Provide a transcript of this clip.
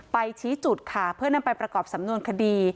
ชี้จุดค่ะเพื่อนำไปประกอบสำนวนคดี